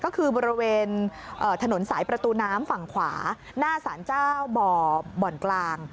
ก็คือบริเวณถนนสายประตูน้ำฝั่งขวาหน้าสารเจ้าบ่อบ่อนกลาง